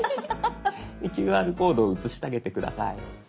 ＱＲコードを写してあげて下さい。